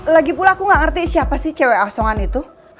lagipula aku gak ngerti siapa sih cewek asongan itu